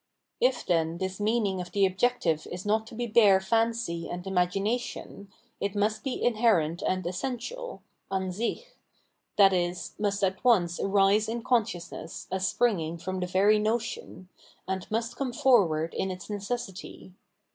If then this meaning of the objective is not to be bare fancy and imagination, it must be inherent and essential {an sick), i.e. must at once arise in consciousness as springing from the very notion, and must come forward in its necessity.